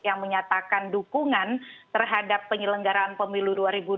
yang menyatakan dukungan terhadap penyelenggaraan pemilu dua ribu dua puluh